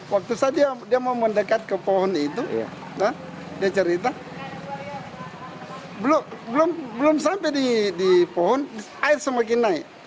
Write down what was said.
waktu saat dia mau mendekat ke pohon itu dia cerita belum sampai di pohon air semakin naik